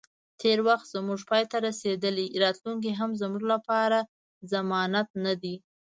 تیر وخت زمونږ پای ته رسیدلی، راتلونی هم زموږ لپاره ضمانت نه دی